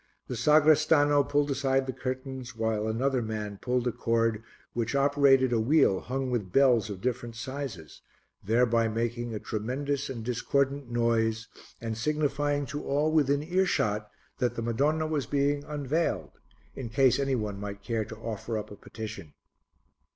The sagrestano pulled aside the curtains while another man pulled a cord which operated a wheel hung with bells of different sizes, thereby making a tremendous and discordant noise and signifying to all within earshot that the Madonna was being unveiled, in case any one might care to offer up a petition.